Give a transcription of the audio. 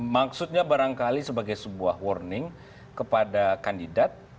maksudnya barangkali sebagai sebuah warning kepada kandidat